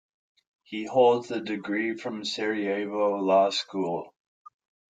He holds a degree from Sarajevo Law School.